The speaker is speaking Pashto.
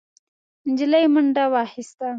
نجلۍ منډه واخيسته.